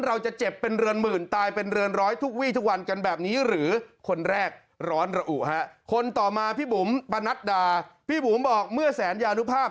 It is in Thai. เราจะมีวัคซีนคนละสามเข็มครึ่ง